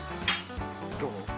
どう？